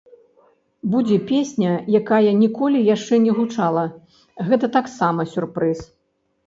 Будзе песня, якая ніколі яшчэ не гучала, гэта таксама сюрпрыз.